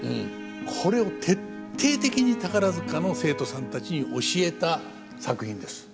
これを徹底的に宝塚の生徒さんたちに教えた作品です。